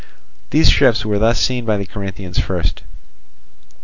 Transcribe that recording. These ships were thus seen by the Corinthians first.